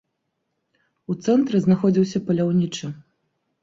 У цэнтры знаходзіўся паляўнічы.